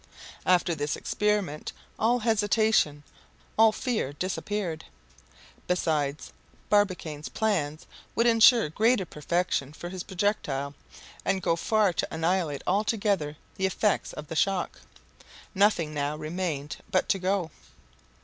After this experiment all hesitation, all fear disappeared. Besides, Barbicane's plans would ensure greater perfection for his projectile, and go far to annihilate altogether the effects of the shock. Nothing now remained but to go!